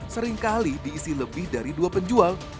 seringkali diisi lebih dari dua penjual